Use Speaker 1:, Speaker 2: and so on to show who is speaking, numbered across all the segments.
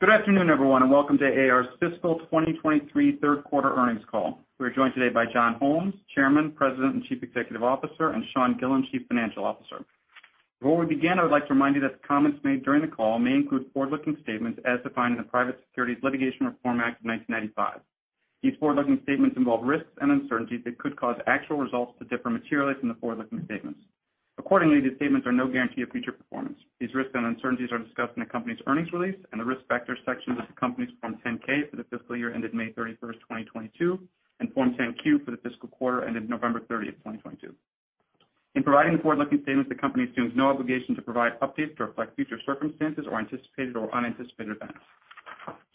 Speaker 1: Good afternoon, everyone, and welcome to AAR's fiscal 2023 third quarter earnings call. We are joined today by John Holmes, Chairman, President, and Chief Executive Officer, and Sean Gillen, Chief Financial Officer. Before we begin, I would like to remind you that the comments made during the call may include forward-looking statements as defined in the Private Securities Litigation Reform Act of 1995. These forward-looking statements involve risks and uncertainties that could cause actual results to differ materially from the forward-looking statements. Accordingly, these statements are no guarantee of future performance. These risks and uncertainties are discussed in the company's earnings release, in the Risk Factors section of the company's Form 10-K for the fiscal year ended May 31st, 2022, and Form 10-Q for the fiscal quarter ended November 30th, 2022. In providing the forward-looking statements, the company assumes no obligation to provide updates to reflect future circumstances or anticipated or unanticipated events.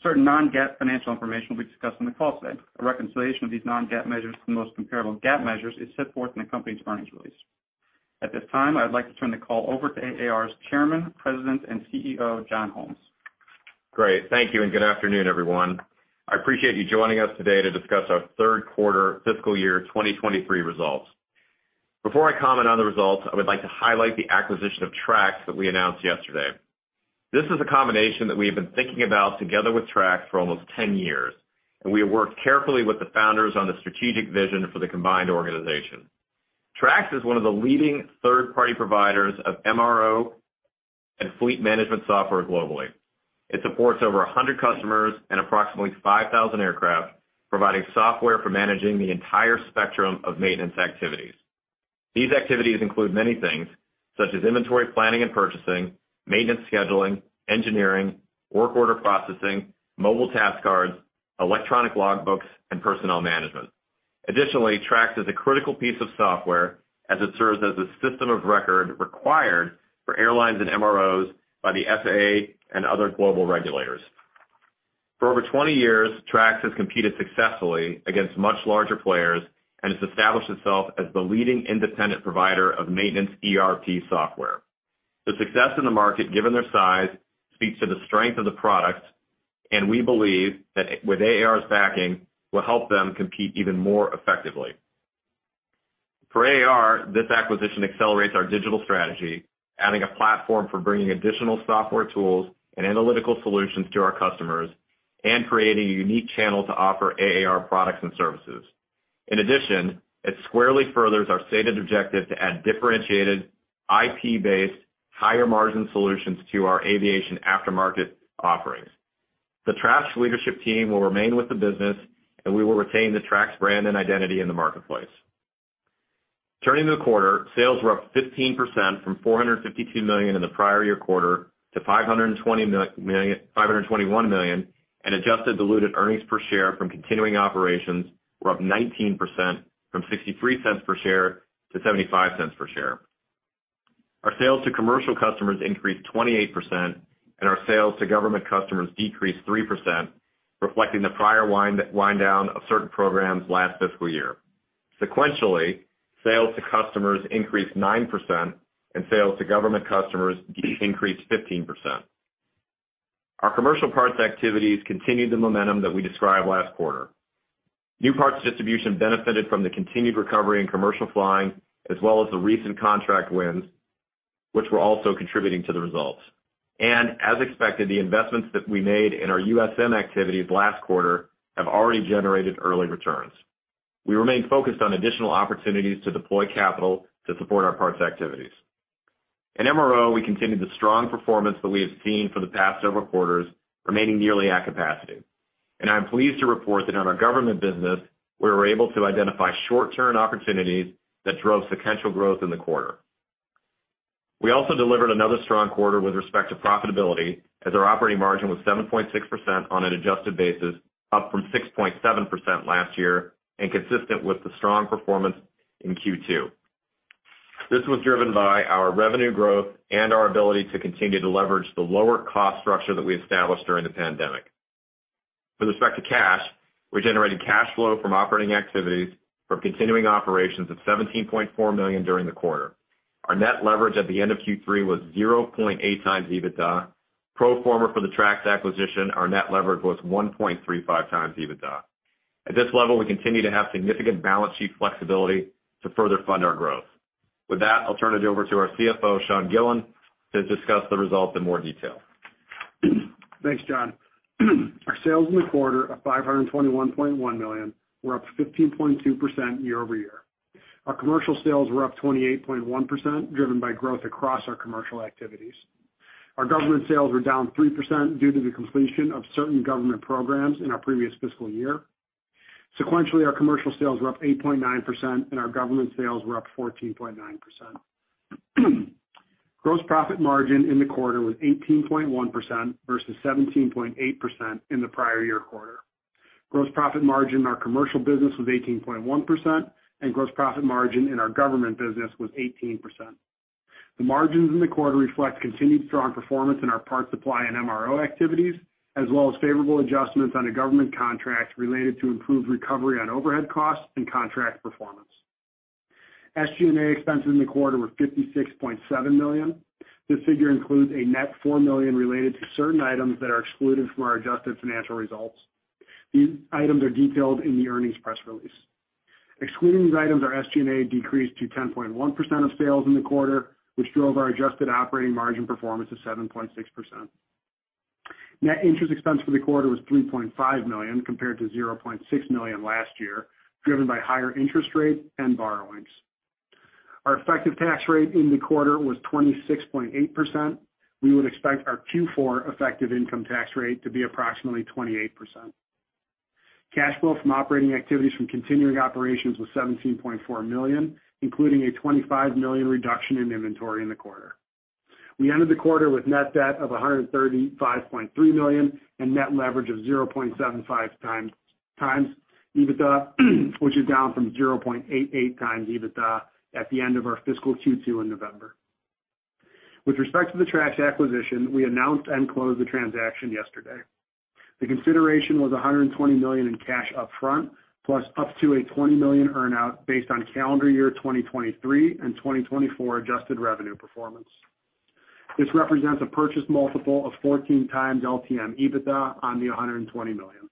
Speaker 1: Certain non-GAAP financial information will be discussed on the call today. A reconciliation of these non-GAAP measures to the most comparable GAAP measures is set forth in the company's earnings release. At this time, I'd like to turn the call over to AAR's Chairman, President, and CEO, John Holmes.
Speaker 2: Great. Thank you, good afternoon, everyone. I appreciate you joining us today to discuss our third quarter fiscal year 2023 results. Before I comment on the results, I would like to highlight the acquisition of Trax that we announced yesterday. This is a combination that we have been thinking about together with Trax for almost 10 years, and we have worked carefully with the founders on the strategic vision for the combined organization. Trax is one of the leading third-party providers of MRO and fleet management software globally. It supports over 100 customers and approximately 5,000 aircraft, providing software for managing the entire spectrum of maintenance activities. These activities include many things such as inventory planning and purchasing, maintenance scheduling, engineering, work order processing, mobile task cards, electronic logbooks, and personnel management. Additionally, Trax is a critical piece of software as it serves as a system of record required for airlines and MROs by the FAA and other global regulators. For over 20 years, Trax has competed successfully against much larger players and has established itself as the leading independent provider of maintenance ERP software. The success in the market, given their size, speaks to the strength of the product, and we believe that with AAR's backing will help them compete even more effectively. For AAR, this acquisition accelerates our digital strategy, adding a platform for bringing additional software tools and analytical solutions to our customers and creating a unique channel to offer AAR products and services. In addition, it squarely furthers our stated objective to add differentiated, IP-based, higher-margin solutions to our aviation aftermarket offerings. The Trax leadership team will remain with the business, and we will retain the Trax brand and identity in the marketplace. Turning to the quarter, sales were up 15% from $452 million in the prior year quarter to $521 million, and adjusted diluted earnings per share from continuing operations were up 19% from $0.63 per share to $0.75 per share. Our sales to commercial customers increased 28%, and our sales to government customers decreased 3%, reflecting the prior wind down of certain programs last fiscal year. Sequentially, sales to customers increased 9% and sales to government customers increased 15%. Our commercial parts activities continued the momentum that we described last quarter. New parts distribution benefited from the continued recovery in commercial flying, as well as the recent contract wins, which were also contributing to the results. As expected, the investments that we made in our USM activities last quarter have already generated early returns. We remain focused on additional opportunities to deploy capital to support our parts activities. In MRO, we continued the strong performance that we have seen for the past several quarters, remaining nearly at capacity. I am pleased to report that on our government business, we were able to identify short-term opportunities that drove sequential growth in the quarter. We also delivered another strong quarter with respect to profitability, as our operating margin was 7.6% on an adjusted basis, up from 6.7% last year and consistent with the strong performance in Q2. This was driven by our revenue growth and our ability to continue to leverage the lower cost structure that we established during the pandemic. With respect to cash, we generated cash flow from operating activities from continuing operations of $17.4 million during the quarter. Our net leverage at the end of Q3 was 0.8x EBITDA. Pro forma for the Trax acquisition, our net leverage was 1.35x EBITDA. At this level, we continue to have significant balance sheet flexibility to further fund our growth. With that, I'll turn it over to our CFO, Sean Gillen, to discuss the results in more detail.
Speaker 3: Thanks, John. Our sales in the quarter of $521.1 million were up 15.2% year-over-year. Our commercial sales were up 28.1%, driven by growth across our commercial activities. Our government sales were down 3% due to the completion of certain government programs in our previous fiscal year. Sequentially, our commercial sales were up 8.9% and our government sales were up 14.9%. Gross profit margin in the quarter was 18.1% versus 17.8% in the prior year quarter. Gross profit margin in our commercial business was 18.1%, and gross profit margin in our government business was 18%. The margins in the quarter reflect continued strong performance in our parts supply and MRO activities, as well as favorable adjustments on a government contract related to improved recovery on overhead costs and contract performance. SG&A expenses in the quarter were $56.7 million. This figure includes a net $4 million related to certain items that are excluded from our adjusted financial results. These items are detailed in the earnings press release. Excluding these items, our SG&A decreased to 10.1% of sales in the quarter, which drove our adjusted operating margin performance to 7.6%. Net interest expense for the quarter was $3.5 million compared to $0.6 million last year, driven by higher interest rates and borrowings. Our effective tax rate in the quarter was 26.8%. We would expect our Q4 effective income tax rate to be approximately 28%. Cash flow from operating activities from continuing operations was $17.4 million, including a $25 million reduction in inventory in the quarter. We ended the quarter with net debt of $135.3 million and net leverage of 0.75x EBITDA, which is down from 0.88x EBITDA at the end of our fiscal Q2 in November. With respect to the Trax acquisition, we announced and closed the transaction yesterday. The consideration was $120 million in cash upfront, plus up to a $20 million earn-out based on calendar year 2023 and 2024 adjusted revenue performance. This represents a purchase multiple of 14x LTM EBITDA on the $120 million.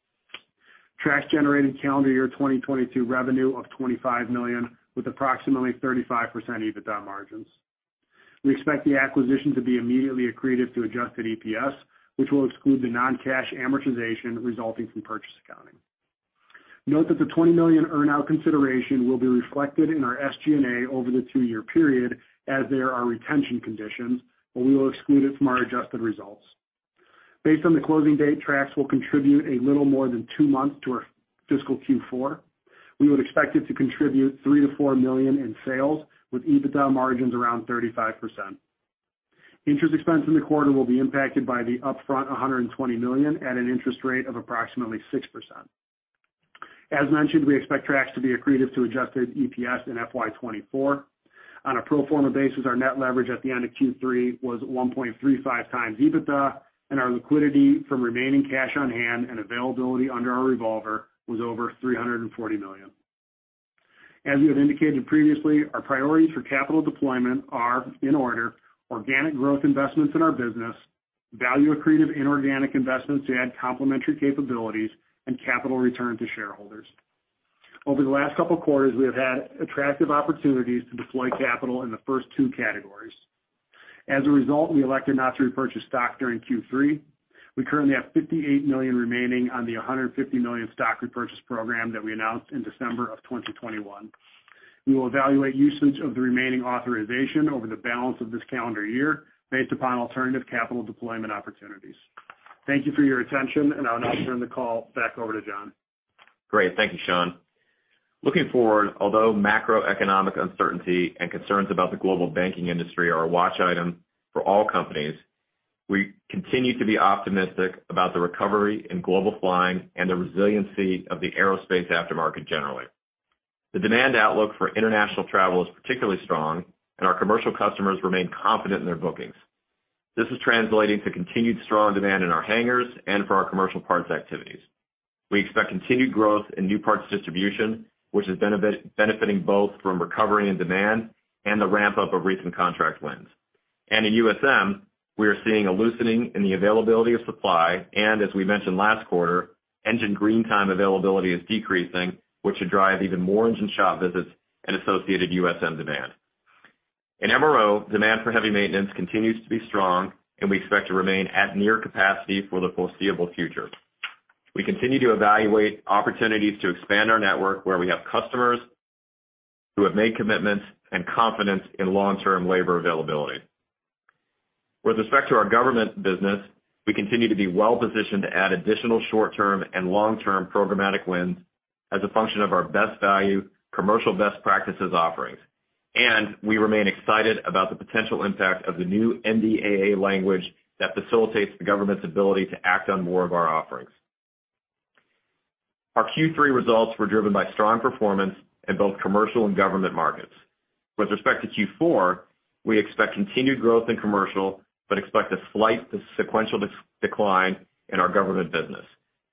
Speaker 3: Trax generated calendar year 2022 revenue of $25 million with approximately 35% EBITDA margins. We expect the acquisition to be immediately accretive to adjusted EPS, which will exclude the non-cash amortization resulting from purchase accounting. Note that the $20 million earn-out consideration will be reflected in our SG&A over the two-year period as there are retention conditions, but we will exclude it from our adjusted results. Based on the closing date, Trax will contribute a little more than two months to our fiscal Q4. We would expect it to contribute $3 million-$4 million in sales with EBITDA margins around 35%. Interest expense in the quarter will be impacted by the upfront $120 million at an interest rate of approximately 6%. As mentioned, we expect Trax to be accretive to adjusted EPS in FY 2024. On a pro forma basis, our net leverage at the end of Q3 was 1.35x EBITDA, and our liquidity from remaining cash on hand and availability under our revolver was over $340 million. As we have indicated previously, our priorities for capital deployment are, in order, organic growth investments in our business, value accretive inorganic investments to add complementary capabilities, and capital return to shareholders. Over the last couple quarters, we have had attractive opportunities to deploy capital in the first two categories. As a result, we elected not to repurchase stock during Q3. We currently have $58 million remaining on the $150 million stock repurchase program that we announced in December of 2021. We will evaluate usage of the remaining authorization over the balance of this calendar year based upon alternative capital deployment opportunities. Thank you for your attention, and I'll now turn the call back over to John.
Speaker 2: Great. Thank you, Sean. Looking forward, although macroeconomic uncertainty and concerns about the global banking industry are a watch item for all companies, we continue to be optimistic about the recovery in global flying and the resiliency of the aerospace aftermarket generally. The demand outlook for international travel is particularly strong, and our commercial customers remain confident in their bookings. This is translating to continued strong demand in our hangars and for our commercial parts activities. We expect continued growth in new parts distribution, which is benefiting both from recovery and demand and the ramp-up of recent contract wins. In USM, we are seeing a loosening in the availability of supply, and as we mentioned last quarter, engine green time availability is decreasing, which should drive even more engine shop visits and associated USM demand. In MRO, demand for heavy maintenance continues to be strong, and we expect to remain at near capacity for the foreseeable future. We continue to evaluate opportunities to expand our network where we have customers who have made commitments and confidence in long-term labor availability. With respect to our government business, we continue to be well-positioned to add additional short-term and long-term programmatic wins as a function of our best value commercial best practices offerings. We remain excited about the potential impact of the new NDAA language that facilitates the government's ability to act on more of our offerings. Our Q3 results were driven by strong performance in both commercial and government markets. With respect to Q4, we expect continued growth in commercial, but expect a slight sequential decline in our government business.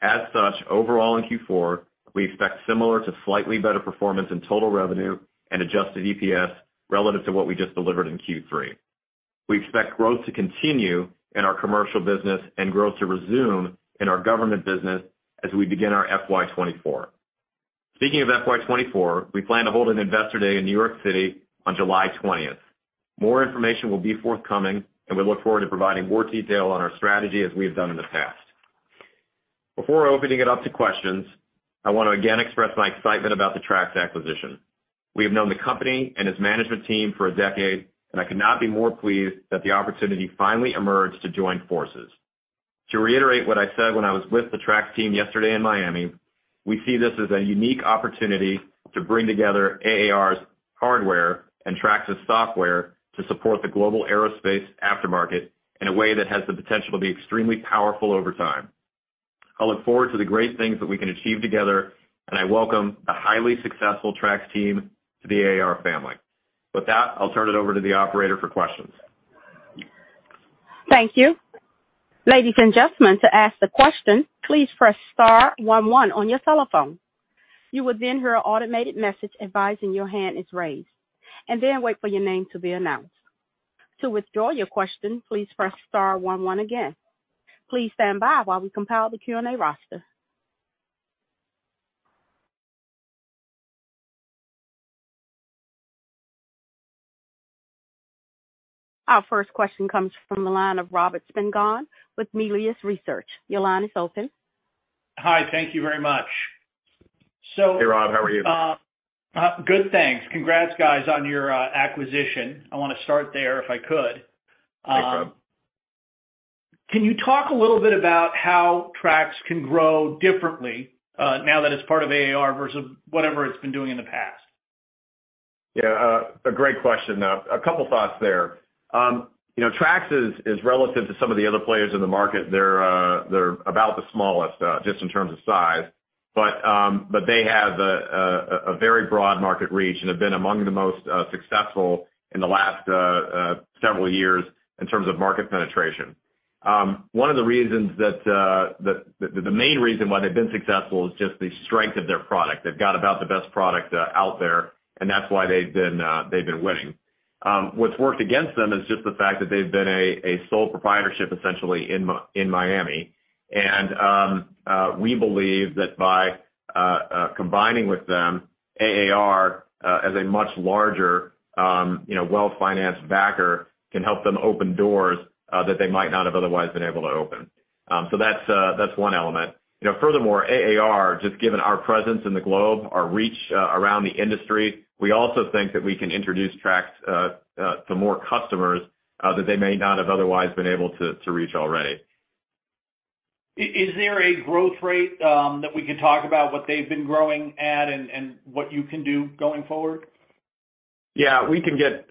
Speaker 2: As such, overall in Q4, we expect similar to slightly better performance in total revenue and adjusted EPS relative to what we just delivered in Q3. We expect growth to continue in our commercial business and growth to resume in our government business as we begin our FY 2024. Speaking of FY 2024, we plan to hold an investor day in New York City on July 20th. More information will be forthcoming, and we look forward to providing more detail on our strategy as we have done in the past. Before opening it up to questions, I want to again express my excitement about the Trax acquisition. We have known the company and its management team for a decade, and I could not be more pleased that the opportunity finally emerged to join forces. To reiterate what I said when I was with the Trax team yesterday in Miami, we see this as a unique opportunity to bring together AAR's hardware and Trax's software to support the global aerospace aftermarket in a way that has the potential to be extremely powerful over time. I look forward to the great things that we can achieve together, I welcome the highly successful Trax team to the AAR family. With that, I'll turn it over to the operator for questions.
Speaker 1: Thank you. Ladies and gentlemen, to ask the question, please press star one one on your telephone. You will then hear an automated message advising your hand is raised, and then wait for your name to be announced. To withdraw your question, please press star one one again. Please stand by while we compile the Q&A roster. Our first question comes from the line of Robert Spingarn with Melius Research. Your line is open.
Speaker 4: Hi. Thank you very much.
Speaker 2: Hey, Rob. How are you?
Speaker 4: Good, thanks. Congrats guys on your acquisition. I wanna start there if I could.
Speaker 2: Okay.
Speaker 4: Can you talk a little bit about how Trax can grow differently, now that it's part of AAR versus whatever it's been doing in the past?
Speaker 2: Yeah, a great question. A couple thoughts there. You know, Trax is relative to some of the other players in the market. They're about the smallest just in terms of size. They have a very broad market reach and have been among the most successful in the last several years in terms of market penetration. One of the reasons that the main reason why they've been successful is just the strength of their product. They've got about the best product out there, and that's why they've been winning. What's worked against them is just the fact that they've been a sole proprietorship, essentially in Miami. We believe that by combining with them, AAR, as a much larger, you know, well-financed backer can help them open doors that they might not have otherwise been able to open. That's one element. You know, furthermore, AAR, just given our presence in the globe, our reach around the industry, we also think that we can introduce Trax to more customers that they may not have otherwise been able to reach already.
Speaker 4: Is there a growth rate that we can talk about what they've been growing at and what you can do going forward?
Speaker 2: We can get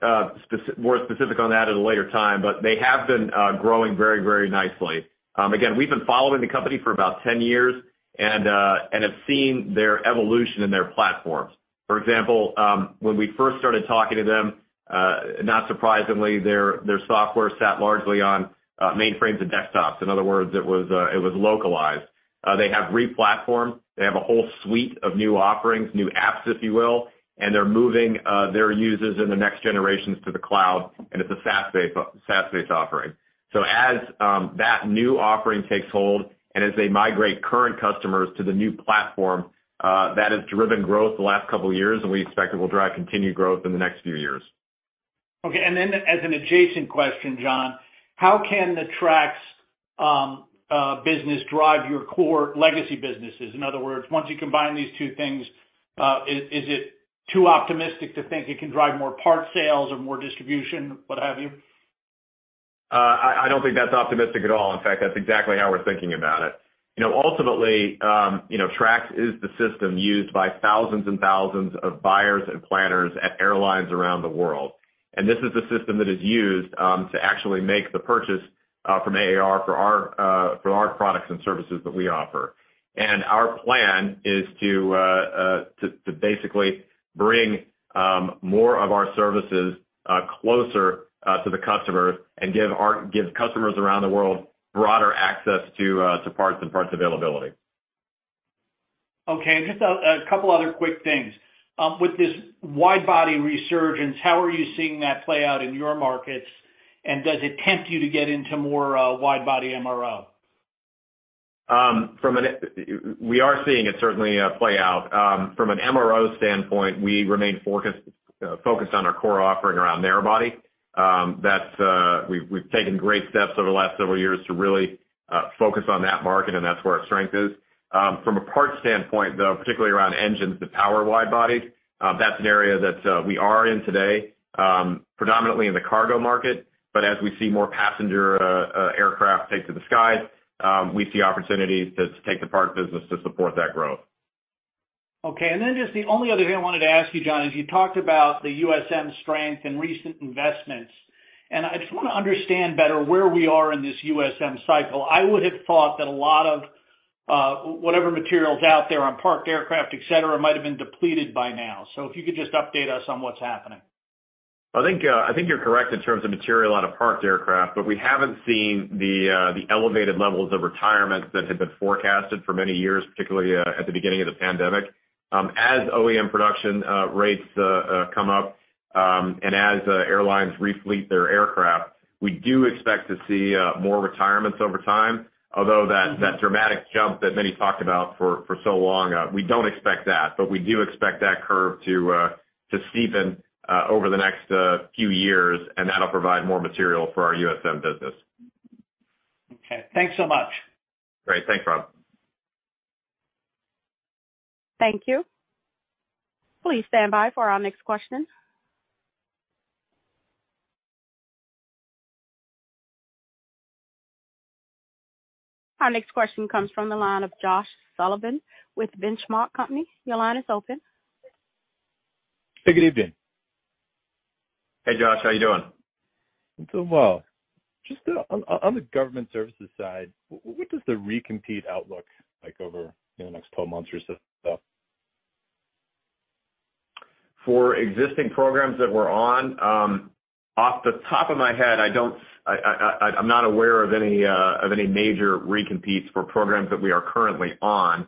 Speaker 2: more specific on that at a later time, but they have been growing very, very nicely. We've been following the company for about 10 years and have seen their evolution in their platforms. For example, when we first started talking to them, not surprisingly, their software sat largely on mainframes and desktops. In other words, it was localized. They have re-platformed. They have a whole suite of new offerings, new apps, if you will, and they're moving their users in the next generations to the cloud, and it's a SaaS-based offering. As that new offering takes hold and as they migrate current customers to the new platform, that has driven growth the last couple of years, and we expect it will drive continued growth in the next few years.
Speaker 4: Okay. Then as an adjacent question, John, how can the Trax business drive your core legacy businesses? In other words, once you combine these two things, is it too optimistic to think it can drive more parts sales or more distribution, what have you?
Speaker 2: I don't think that's optimistic at all. In fact, that's exactly how we're thinking about it. You know, ultimately, you know, Trax is the system used by thousands and thousands of buyers and planners at airlines around the world. This is the system that is used to actually make the purchase from AAR for our products and services that we offer. Our plan is to basically bring more of our services closer to the customers and give customers around the world broader access to parts and parts availability.
Speaker 4: Okay. Just a couple other quick things. With this wide body resurgence, how are you seeing that play out in your markets? Does it tempt you to get into more wide body MRO?
Speaker 2: We are seeing it certainly play out. From an MRO standpoint, we remain focused on our core offering around narrow body. That's, we've taken great steps over the last several years to really focus on that market, and that's where our strength is. From a parts standpoint, though, particularly around engines that power wide bodies, that's an area that we are in today, predominantly in the cargo market. As we see more passenger aircraft take to the skies, we see opportunities to take the parts business to support that growth.
Speaker 4: Just the only other thing I wanted to ask you, John, is you talked about the USM strength and recent investments, and I just wanna understand better where we are in this USM cycle. I would have thought that a lot of whatever material is out there on parked aircraft, etc, might have been depleted by now. If you could just update us on what's happening.
Speaker 2: I think you're correct in terms of material out of parked aircraft, but we haven't seen the elevated levels of retirement that had been forecasted for many years, particularly, at the beginning of the pandemic. As OEM production rates come up, and as airlines refleet their aircraft, we do expect to see more retirements over time.
Speaker 4: Mm-hmm.
Speaker 2: That dramatic jump that many talked about for so long, we don't expect that. We do expect that curve to steepen over the next few years, and that'll provide more material for our USM business.
Speaker 4: Okay, thanks so much.
Speaker 2: Great. Thanks, Rob.
Speaker 1: Thank you. Please stand by for our next question. Our next question comes from the line of Josh Sullivan with The Benchmark Company. Your line is open.
Speaker 5: Hey, good evening.
Speaker 2: Hey, Josh. How you doing?
Speaker 5: I'm doing well. Just on the government services side, what does the recompete outlook like over, you know, the next 12 months or so look like?
Speaker 2: For existing programs that we're on, off the top of my head, I'm not aware of any major recompetes for programs that we are currently on.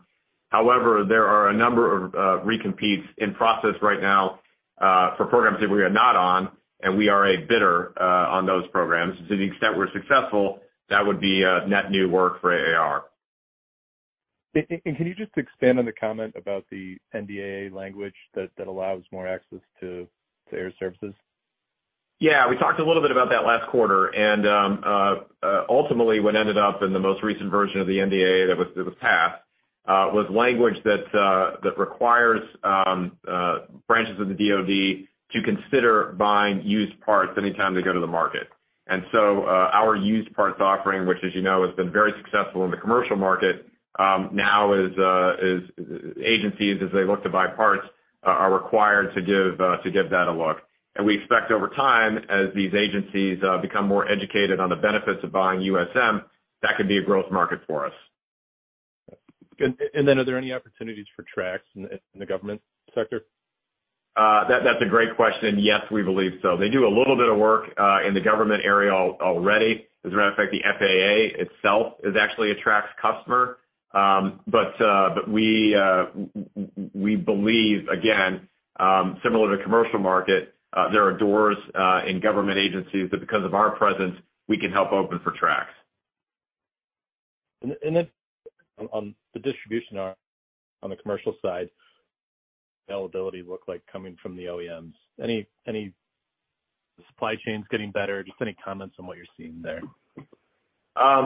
Speaker 2: There are a number of recompetes in process right now, for programs that we are not on, and we are a bidder on those programs. To the extent we're successful, that would be net new work for AAR.
Speaker 3: Can you just expand on the comment about the NDAA language that allows more access to air services?
Speaker 2: Yeah. We talked a little bit about that last quarter. Ultimately, what ended up in the most recent version of the NDAA that was passed, was language that requires branches of the DoD to consider buying used parts anytime they go to the market. Our used parts offering, which as you know has been very successful in the commercial market, now is, agencies as they look to buy parts, are required to give that a look. We expect over time, as these agencies become more educated on the benefits of buying USM, that could be a growth market for us.
Speaker 3: Are there any opportunities for Trax in the government sector?
Speaker 2: That, that's a great question. Yes, we believe so. They do a little bit of work in the government area already. As a matter of fact, the FAA itself is actually a Trax customer. We believe, again, similar to commercial market, there are doors in government agencies that because of our presence, we can help open for Trax.
Speaker 3: On the distribution arm on the commercial side, availability look like coming from the OEMs. Any supply chains getting better? Just any comments on what you're seeing there.
Speaker 2: I'd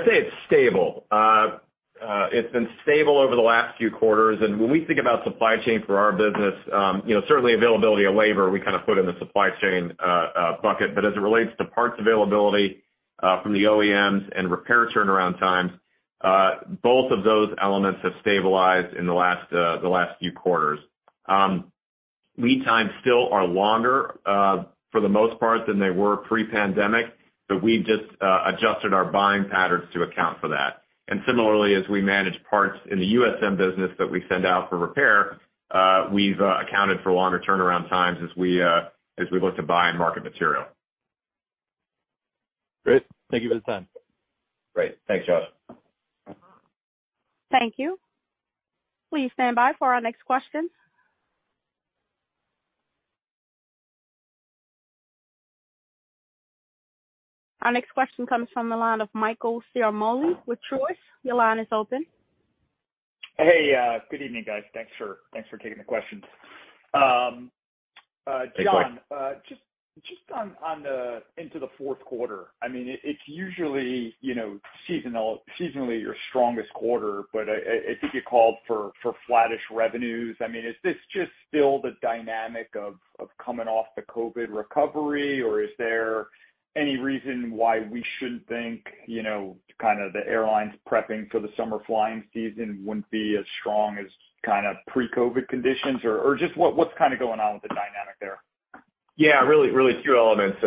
Speaker 2: say it's stable. It's been stable over the last few quarters. When we think about supply chain for our business, you know, certainly availability of labor, we kind of put in the supply chain bucket. As it relates to parts availability, from the OEMs and repair turnaround times, both of those elements have stabilized in the last few quarters. Lead times still are longer for the most part than they were pre-pandemic, but we've just adjusted our buying patterns to account for that. Similarly, as we manage parts in the USM business that we send out for repair, we've accounted for longer turnaround times as we look to buy and market material.
Speaker 3: Great. Thank you for the time.
Speaker 2: Great. Thanks, Jonathan.
Speaker 1: Thank you. Please stand by for our next question. Our next question comes from the line of Michael Ciarmoli with Truist. Your line is open.
Speaker 6: Hey, good evening, guys. Thanks for taking the questions.
Speaker 2: Hey, Mike.
Speaker 6: John, just on the into the fourth quarter. I mean, it's usually, you know, seasonally your strongest quarter, but I think you called for flattish revenues. I mean, is this just still the dynamic of coming off the COVID recovery, or is there any reason why we should think, you know, kind of the airlines prepping for the summer flying season wouldn't be as strong as kind of pre-COVID conditions? Just what's kind of going on with the dynamic there?
Speaker 2: Really two elements,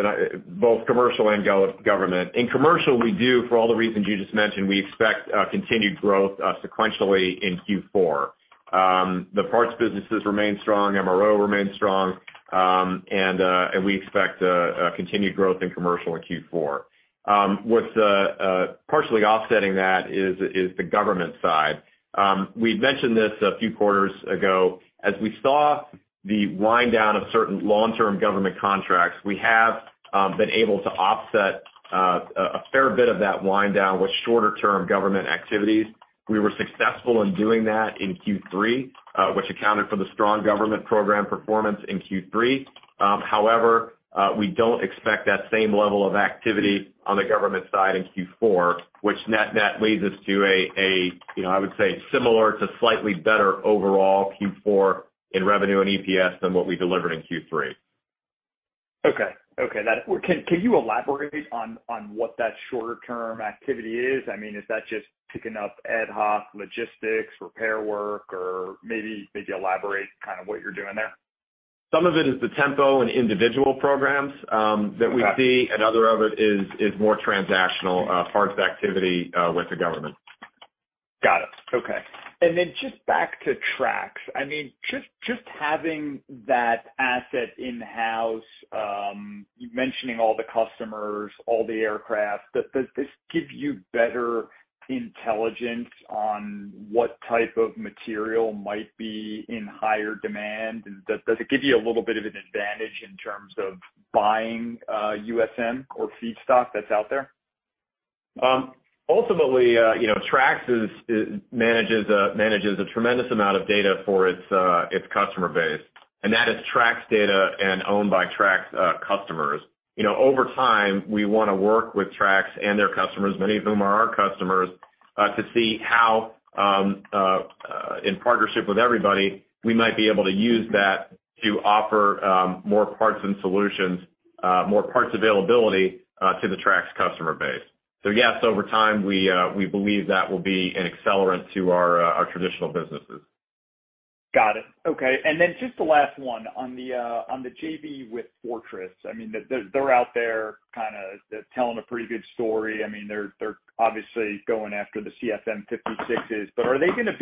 Speaker 2: both commercial and government. In commercial, we do for all the reasons you just mentioned, we expect continued growth sequentially in Q4. The parts businesses remain strong, MRO remains strong, and we expect a continued growth in commercial in Q4. What's partially offsetting that is the government side. We'd mentioned this a few quarters ago. As we saw the wind down of certain long-term government contracts, we have been able to offset a fair bit of that wind down with shorter term government activities. We were successful in doing that in Q3, which accounted for the strong government program performance in Q3. We don't expect that same level of activity on the government side in Q4, which net net leads us to you know, I would say similar to slightly better overall Q4 in revenue and EPS than what we delivered in Q3.
Speaker 6: Okay. Can you elaborate on what that shorter term activity is? I mean, is that just picking up ad hoc logistics, repair work, or maybe elaborate kind of what you're doing there?
Speaker 2: Some of it is the tempo and individual programs, that we see.
Speaker 6: Okay.
Speaker 2: Another of it is more transactional, parts activity, with the government.
Speaker 6: Got it. Okay. Just back to Trax. I mean, just having that asset in-house, you mentioning all the customers, all the aircraft, does this give you better intelligence on what type of material might be in higher demand? Does it give a little bit of an advantage in terms of buying USM or feedstock that's out there?
Speaker 2: Ultimately, you know, Trax is manages a tremendous amount of data for its customer base, and that is Trax data and owned by Trax customers. You know, over time, we wanna work with Trax and their customers, many of whom are our customers, to see how in partnership with everybody, we might be able to use that to offer more parts and solutions, more parts availability, to the Trax customer base. Yes, over time, we believe that will be an accelerant to our traditional businesses.
Speaker 6: Got it. Okay. Just the last one on the JV with Fortress. I mean, they're out there kinda telling a pretty good story. I mean, they're obviously going after the CFM56s. Are they gonna,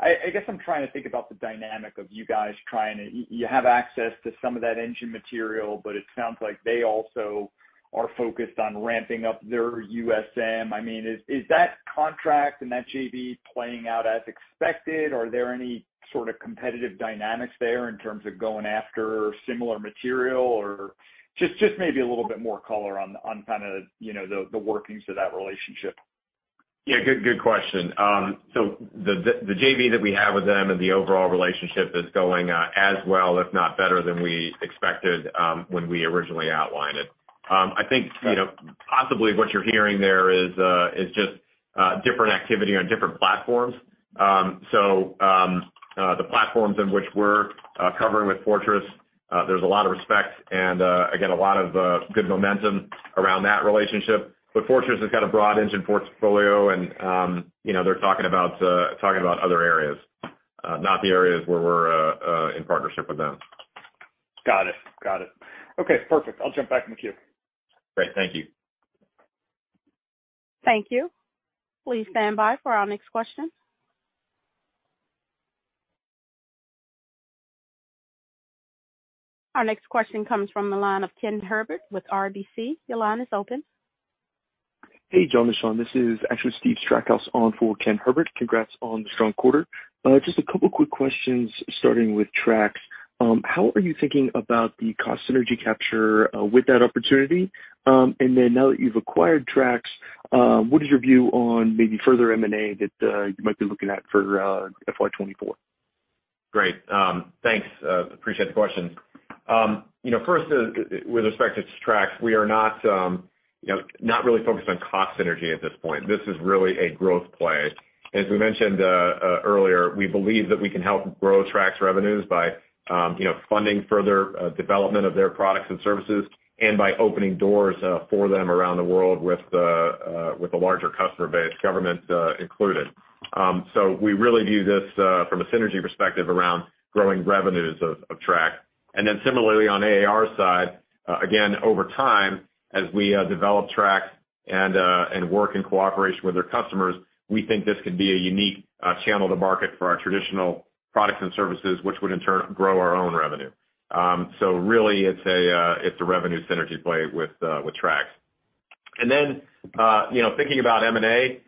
Speaker 6: I guess I'm trying to think about the dynamic of you guys trying to you have access to some of that engine material, but it sounds like they also are focused on ramping up their USM. I mean, is that contract and that JV playing out as expected? Are there any sort of competitive dynamics there in terms of going after similar material? Or just maybe a little bit more color on kind of, you know, the workings of that relationship?
Speaker 2: Yeah, good question. The JV that we have with them and the overall relationship is going as well, if not better than we expected, when we originally outlined it. I think, you know, possibly what you're hearing there is just different activity on different platforms. The platforms in which we're covering with Fortress, there's a lot of respect and again, a lot of good momentum around that relationship. Fortress has got a broad engine portfolio and, you know, they're talking about talking about other areas, not the areas where we're in partnership with them.
Speaker 6: Got it. Got it. Okay, perfect. I'll jump back in the queue.
Speaker 2: Great. Thank you.
Speaker 1: Thank you. Please stand by for our next question. Our next question comes from the line of Ken Herbert with RBC. Your line is open.
Speaker 7: Hey, John and Sean, this is actually Steve Strackhouse on for Ken Herbert. Congrats on the strong quarter. Just a couple of quick questions, starting with Trax. How are you thinking about the cost synergy capture with that opportunity? Now that you've acquired Trax, what is your view on maybe further M&A that you might be looking at for FY 2024?
Speaker 2: Great. Thanks. Appreciate the question. You know, first with respect to Trax, we are not, you know, not really focused on cost synergy at this point. This is really a growth play. As we mentioned earlier, we believe that we can help grow Trax revenues by, you know, funding further development of their products and services and by opening doors for them around the world with the with a larger customer base, government included. We really view this from a synergy perspective around growing revenues of Trax. Similarly on AAR side, again over time, as we develop Trax and work in cooperation with their customers, we think this could be a unique channel to market for our traditional products and services, which would in turn grow our own revenue. Really it's a revenue synergy play with Trax. You know, thinking about M&A,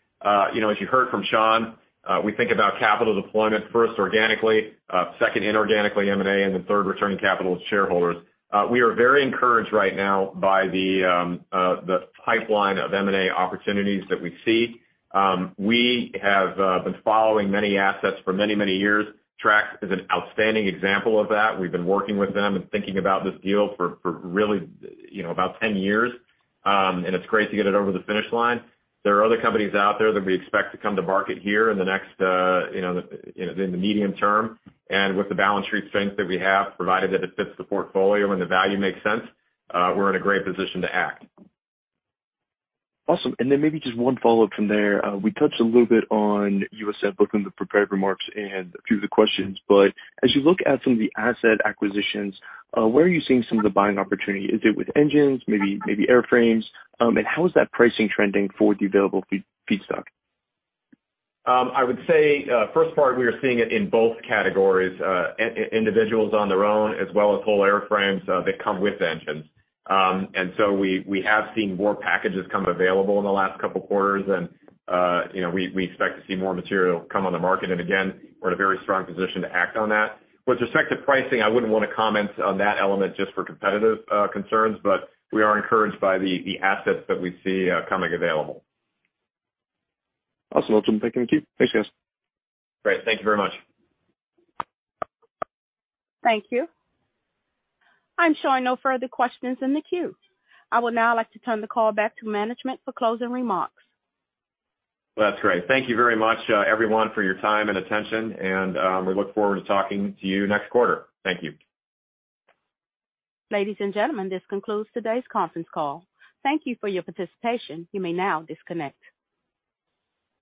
Speaker 2: you know, as you heard from Sean, we think about capital deployment first organically, second inorganically M&A, and then third, returning capital to shareholders. We are very encouraged right now by the pipeline of M&A opportunities that we see. We have been following many assets for many, many years. Trax is an outstanding example of that. We've been working with them and thinking about this deal for really, you know, about 10 years. It's great to get it over the finish line. There are other companies out there that we expect to come to market here in the next, you know, in the medium term and with the balance sheet strength that we have, provided that it fits the portfolio and the value makes sense, we're in a great position to act.
Speaker 7: Awesome. Maybe just one follow-up from there. We touched a little bit on USM, both in the prepared remarks and a few of the questions, as you look at some of the asset acquisitions, where are you seeing some of the buying opportunity? Is it with engines, maybe airframes? How is that pricing trending for the available feedstock?
Speaker 2: I would say, first part, we are seeing it in both categories, individuals on their own as well as whole airframes that come with engines. We have seen more packages come available in the last couple quarters. You know, we expect to see more material come on the market. Again, we're in a very strong position to act on that. With respect to pricing, I wouldn't want to comment on that element just for competitive concerns, but we are encouraged by the assets that we see coming available.
Speaker 7: Awesome. Thank you. Thanks, guys.
Speaker 2: Great. Thank you very much.
Speaker 1: Thank you. I'm showing no further questions in the queue. I would now like to turn the call back to management for closing remarks.
Speaker 2: That's great. Thank you very much, everyone for your time and attention. We look forward to talking to you next quarter. Thank you.
Speaker 1: Ladies and gentlemen, this concludes today's conference call. Thank you for your participation. You may now disconnect.